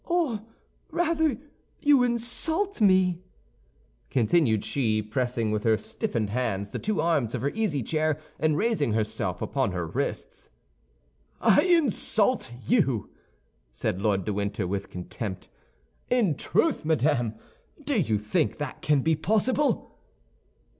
"Or rather you insult me," continued she, pressing with her stiffened hands the two arms of her easy chair, and raising herself upon her wrists. "I insult you!" said Lord de Winter, with contempt. "In truth, madame, do you think that can be possible?"